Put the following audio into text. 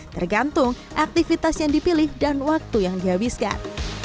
tergantung aktivitas yang dipilih dan waktu yang dihabiskan